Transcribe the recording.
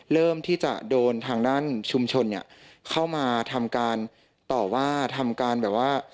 เริ่มที่จะโดนทางด้านชุมชนเนี่ยเข้ามาทำการต่อว่าทำการแบบว่า